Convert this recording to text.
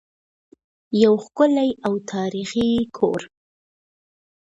یو ښکلی او تاریخي کور.